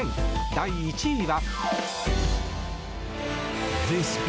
第１位は。